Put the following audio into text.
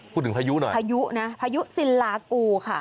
พายุหน่อยพายุนะพายุซินลากูค่ะ